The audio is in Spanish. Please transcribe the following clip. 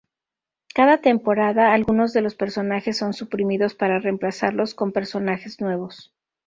Cada temporada, algunos de los personajes son suprimidos para reemplazarlos con personajes nuevos.